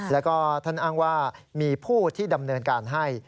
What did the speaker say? แล้วก็ท่านอ้างว่ามีผู้ที่ดำเนินการให้